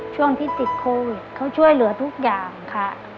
ช่วงที่ติดโควิดเขาช่วยเหลือทุกอย่างค่ะ